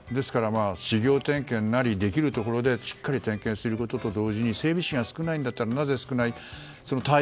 始業点検なり、できるところでしっかり点検することと同時に整備士が少ないんだったらなぜ少ないか。